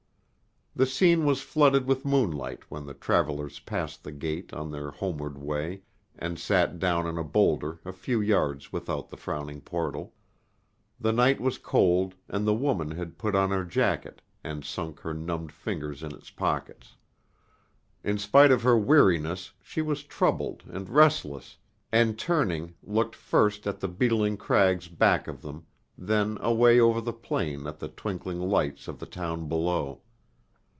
The scene was flooded with moonlight when the travellers passed the gate on their homeward way, and sat down on a boulder a few yards without the frowning portal. The night was cold, and the woman had put on her jacket, and sunk her numbed fingers in its pockets. In spite of her weariness she was troubled and restless, and turning looked first at the beetling crags back of them, then away over the plain at the twinkling lights of the town below.